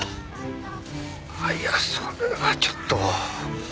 あっいやそれはちょっと。